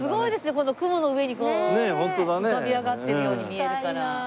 この雲の上にこう浮かび上がってるように見えるから。